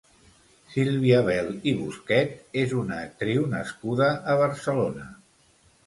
Sílvia Bel i Busquet és una actriu nascuda a Barcelona.